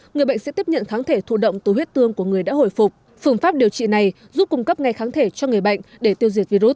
người bệnh sẽ tiếp nhận kháng thể thụ động từ huyết tương của người đã hồi phục phương pháp điều trị này giúp cung cấp ngay kháng thể cho người bệnh để tiêu diệt virus